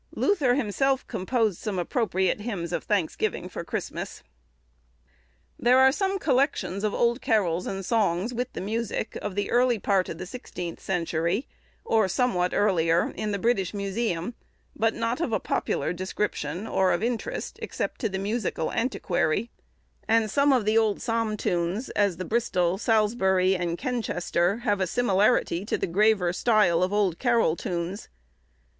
Luther himself composed some appropriate hymns of thanksgiving for Christmas. There are some collections of old carols and songs, with the music, of the early part of the sixteenth century, or somewhat earlier, in the British Museum, but not of a popular description, or of interest, except to the musical antiquary; and some of the old psalm tunes, as the Bristol, Salisbury, and Kenchester, have a similarity to the graver style of old carol tunes.